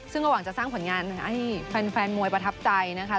ซึ่งก็หวังจะสร้างผลงานให้แฟนมวยประทับใจนะคะ